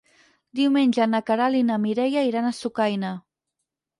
Diumenge na Queralt i na Mireia iran a Sucaina.